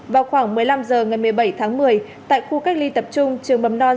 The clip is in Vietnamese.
vào khoảng một mươi năm h ngày một mươi bảy tháng một mươi tại khu cách ly tập trung trường mầm non